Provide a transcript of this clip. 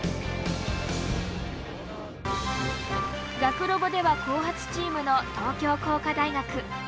学ロボでは後発チームの東京工科大学。